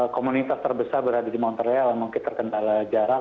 komunitas terbesar berada di montreal yang mungkin terkendala jarak